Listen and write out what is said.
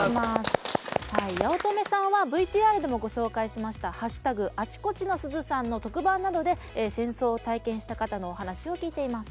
八乙女さんはＶＴＲでもご紹介しました「＃あちこちのすずさん」の特番などで戦争を体験した方のお話を聞いています。